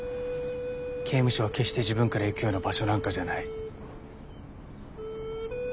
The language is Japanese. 刑務所は決して自分から行くような場所なんかじゃない。